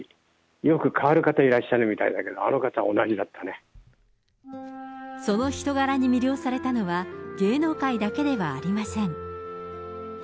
よく変わる方いらっしゃるみたいだけど、その人柄に魅了されたのは、芸能界だけではありません。